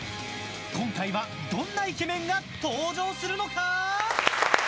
今回は、どんなイケメンが登場するのか。